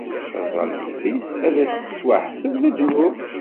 Taẓallit-is, ad s-tettwaḥseb d ddnub.